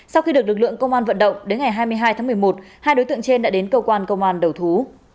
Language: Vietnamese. sau khi được lực lượng công an vận động đến ngày hai mươi hai tháng một mươi một hai đối tượng trên đã đến cơ quan công an đầu thú